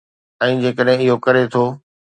۽ جيڪڏهن اهو ڪري ٿو.